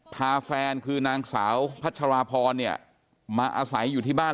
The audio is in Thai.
พาแฟนคือนางสาวพัชราพรเนี่ยมาอาศัยอยู่ที่บ้าน